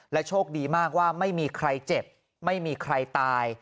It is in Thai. โชคดีมากว่าไม่มีใครเจ็บไม่มีใครตาย